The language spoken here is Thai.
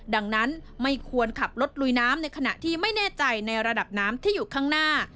ดังนั้นไม่ควรขับรถลุยน้ำในขณะที่ไม่แน่ใจในระดับน้ำที่อยู่ข้างหน้า